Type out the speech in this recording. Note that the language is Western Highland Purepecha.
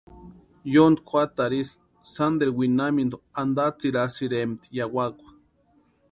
Yontki juatarhu ísï sánteru winhamintu antatsirasïrempti yawakwa.